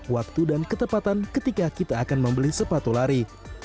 waktu dan ketepatan ketika kita akan membeli sepatu lari